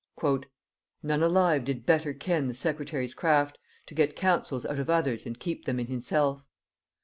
"None alive did better ken the secretary's craft, to get counsels out of others and keep them in himself.